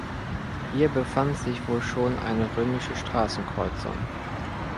Hier befand sich wohl schon eine römische Straßenkreuzung.